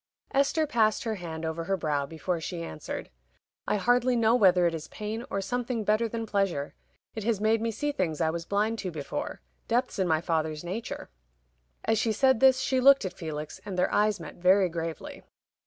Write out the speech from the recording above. Esther passed her hand over her brow before she answered. "I hardly know whether it is pain, or something better than pleasure. It has made me see things I was blind to before depths in my father's nature." As she said this, she looked at Felix, and their eyes met very gravely.